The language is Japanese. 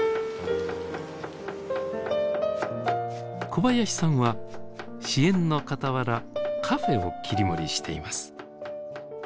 小林さんは支援のかたわらカフェを切り盛りしています。